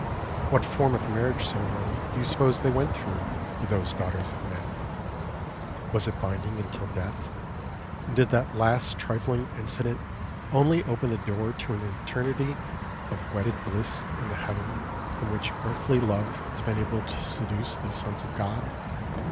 What form of marriage ceremony do you suppose they went through with those daughters of men? Was it binding until death, and did that last trifling incident only open the door to an eternity of wedded bliss in the heaven from which earthly love had been able to seduce these sons of God?